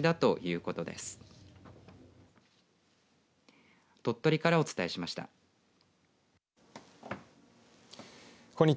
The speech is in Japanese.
こんにちは。